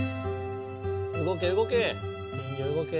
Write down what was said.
動け動け！